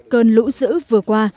cơn lũ dữ vừa qua